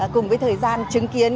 cùng với thời gian chứng kiến